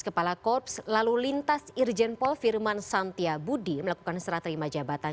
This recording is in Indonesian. kepala korps lalu lintas irjenpol firman santia budi melakukan seraterima jabatan